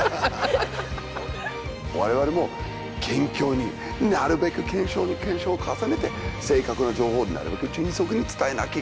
我々も謙虚になるべく検証に検証を重ねて正確な情報をなるべく迅速に伝えなきゃいけないと思ったんですね。